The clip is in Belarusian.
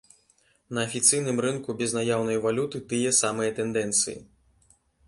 На афіцыйным рынку безнаяўнай валюты тыя самыя тэндэнцыі.